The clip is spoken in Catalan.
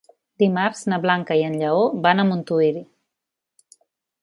Dimarts na Blanca i en Lleó van a Montuïri.